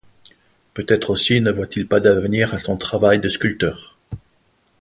Peut-être aussi ne voit-il pas d'avenir à son travail de sculpteur.